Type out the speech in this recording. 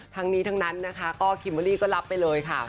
ทั้งนี้ทั้งนั้นนะคะก็คิมเบอร์รี่ก็รับไปเลยค่ะ